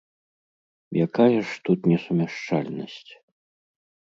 Якая ж тут несумяшчальнасць?